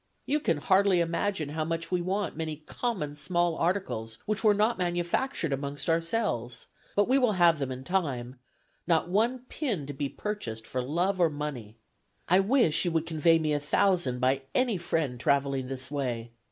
You can hardly imagine how much we want many common small articles which are not manufactured amongst ourselves; but we will have them in time; not one pin to be purchased for love or money. I wish you would convey me a thousand by any friend traveling this way.